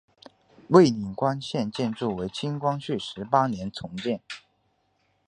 蔚岭关现建筑为清光绪十八年重建。